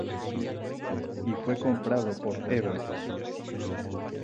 Y fue comprado por Everton.